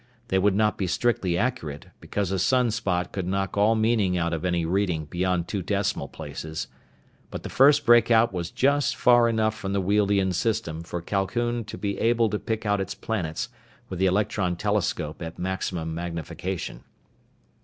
They would not be strictly accurate, because a sunspot could knock all meaning out of any reading beyond two decimal places. But the first breakout was just far enough from the Wealdian system for Calhoun to be able to pick out its planets with the electron telescope at maximum magnification.